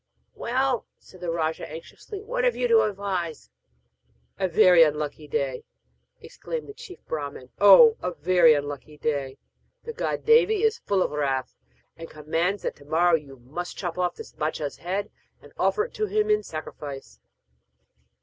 'Well,' said the rajah anxiously, 'what have you to advise?' 'A very unlucky day!' exclaimed the chief Brahman. 'Oh, a very unlucky day! The god Devi is full of wrath, and commands that to morrow you must chop off this bâdshah's head and offer it in to him in sacrifice.'